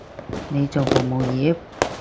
你做服務業？